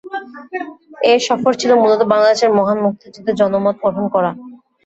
এ সফর ছিল মূলতঃ বাংলাদেশের মহান মুক্তিযুদ্ধে জনমত গঠন করা।